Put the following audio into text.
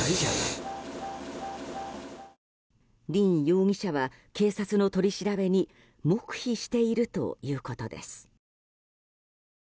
凜容疑者は警察の取り調べに黙秘しているということです。